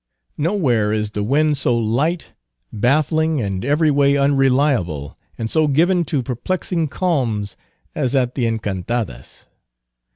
Nowhere is the wind so light, baffling, and every way unreliable, and so given to perplexing calms, as at the Encantadas.